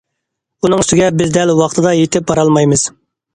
ئۇنىڭ ئۈستىگە، بىز دەل ۋاقتىدا يېتىپ بارالمايمىز.